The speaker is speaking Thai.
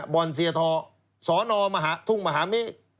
บ่อนเสียทอสนมหาทุ่งมหาเม